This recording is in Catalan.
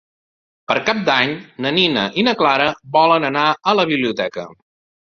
Per Cap d'Any na Nina i na Clara volen anar a la biblioteca.